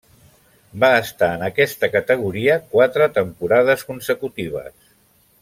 Va estar en aquesta categoria quatre temporades consecutives.